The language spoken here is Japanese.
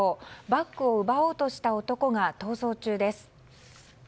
バッグを奪おうとした男が逃走中です。